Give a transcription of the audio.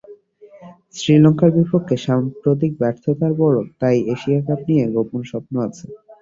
শ্রীলঙ্কার বিপক্ষে সাম্প্রতিক ব্যর্থতার পরও তাই এশিয়া কাপ নিয়ে গোপন স্বপ্ন আছে।